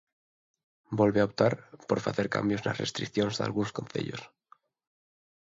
Volve a optar, por facer cambios nas restricións dalgúns concellos.